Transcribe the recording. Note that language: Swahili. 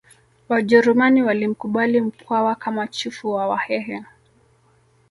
Wajerumani walimkubali Mkwawa kama chifu wa Wahehe